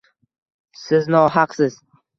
Siz nohaqsiz.